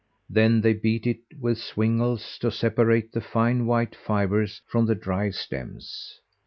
Then they beat it with swingles, to separate the fine white fibres from the dry stems.